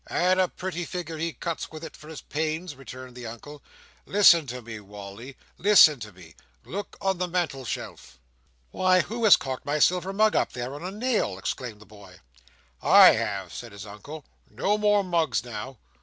"And a pretty figure he cuts with it for his pains," returned the Uncle. "Listen to me, Wally, listen to me. Look on the mantelshelf." "Why who has cocked my silver mug up there, on a nail?" exclaimed the boy. "I have," said his Uncle. "No more mugs now.